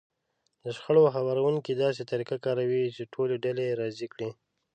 د شخړو هواروونکی داسې طريقه کاروي چې ټولې ډلې راضي کړي.